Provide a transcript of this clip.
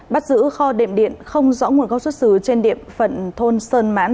bắt giữ kho đệm điện không rõ nguồn gốc xuất xứ trên địa phận thôn sơn mãn